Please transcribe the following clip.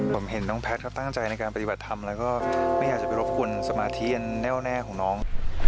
ผมเห็นน้องแพทย์เขาตั้งใจในการปฏิบัติธรรมแล้วก็ไม่อยากจะไปรบคุณสมาธิอันแน่วแน่ของน้อง